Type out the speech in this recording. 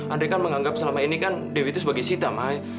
andre kan menganggap selama ini kan dewi itu sebagai sita ma